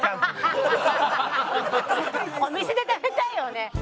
お店で食べたいよね。